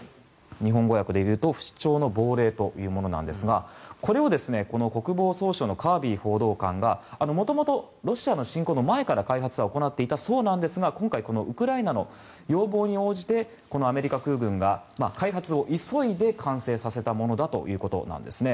日本語訳でいうと不死鳥の亡霊というものなんですがこれをこの国防総省のカービー報道官が元々、ロシアの侵攻の前から開発は行っていたそうですが今回、ウクライナの要望に応じてこのアメリカ空軍が開発を急いで完成させたものだということです。